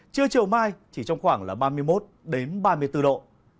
trưa chiều mai chỉ trong khoảng là ba mươi một ba mươi bốn độ